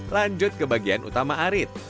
lanjut ke bagian utama arit